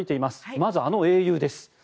まずはあの英雄です。